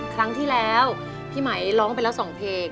ครั้งที่แล้วพี่ไหมร้องไปแล้ว๒เพลง